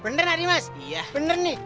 bener nak nih mas bener nih